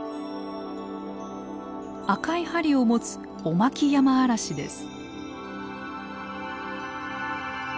赤い針を持つオマキヤマアラシです。